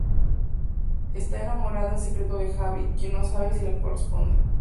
Está enamorada en secreto de Javi, quien no sabe si la corresponde.